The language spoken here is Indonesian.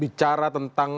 mengungkap tentang apa